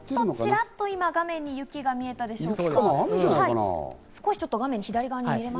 ちらっと今、画面に雪が見えたでしょうか。